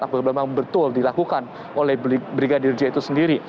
apakah memang betul dilakukan oleh brigadir j itu sendiri